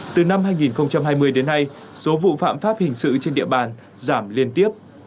từ năm hai nghìn hai mươi đến nay số vụ phạm pháp hình sự trên địa bàn giảm liên tiếp